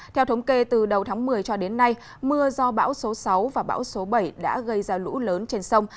theo thống kê từ đầu tháng một mươi cho đến nay mưa do bão số sáu và bão số bảy đã gây ra lũ lớn trên sông